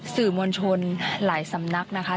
สื่อมวลชนหลายสำนักนะคะ